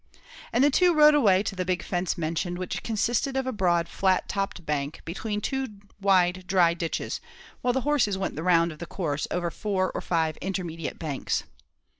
And the two rode away to the big fence mentioned, which consisted of a broad flat topped bank between two wide dry ditches; while the horses went the round of the course over four or five intermediate banks.